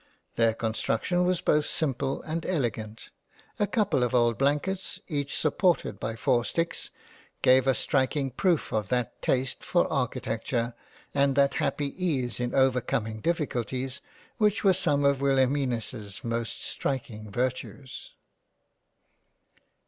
Their Construction was both simple and elegant — A couple of old blankets, each sup ported by four sticks, gave a striking proof of that taste for architecture and that happy ease in overcoming difficulties which were some of Wilhelminus's most striking Virtues.